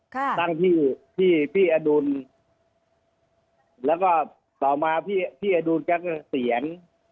ค่ะตั้งพี่พี่พี่อดุลแล้วก็ต่อมาพี่พี่อดุลก็เกษียณ